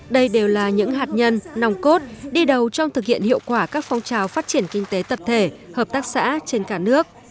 đây đều là những hạt nhân nòng cốt đi đầu trong thực hiện hiệu quả các phong trào phát triển kinh tế tập thể hợp tác xã trên cả nước